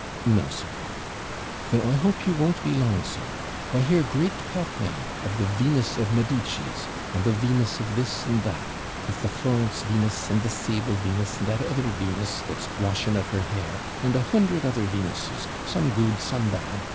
'No, sir.' 'Then I hope you won't be long so. I hear great talk now of the Venus of Medicis, and the Venus of this and that, with the Florence Venus, and the sable Venus, and that other Venus, that's washing of her hair, and a hundred other Venuses, some good, some bad.